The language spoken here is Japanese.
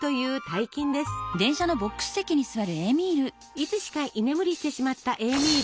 いつしか居眠りしてしまったエーミール。